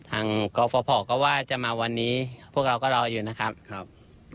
กรฟภก็ว่าจะมาวันนี้พวกเราก็รออยู่นะครับครับ